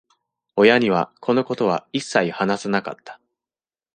親には、このことは一切話さなかった。